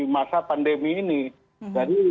masa pandemi ini jadi